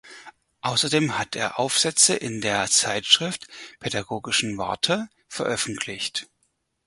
Außerdem hatte er Aufsätze in der Zeitschrift "Pädagogischen Warte" veröffentlicht.